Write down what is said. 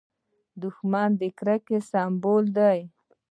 دښمن د کرکې سمبول دی